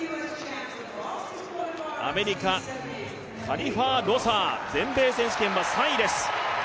アメリカ、カリファー・ロサー、全米選手権は３位です。